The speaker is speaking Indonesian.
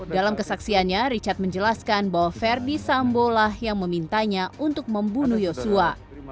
dalam kesaksiannya richard menjelaskan bahwa verdi sambo lah yang memintanya untuk membunuh yosua